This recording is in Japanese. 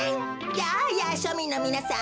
やあやあしょみんのみなさん。